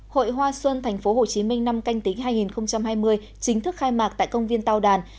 hội hoa xuân tp hcm năm canh tính hai nghìn hai mươi chính thức khai mạc tại công viên tàu đàn